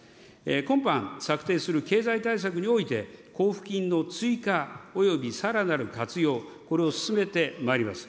今般、策定する経済対策において、交付金の追加およびさらなる活用、これを進めてまいります。